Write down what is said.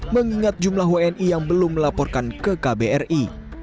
mengingat jumlah wni yang belum melaporkan ke kbri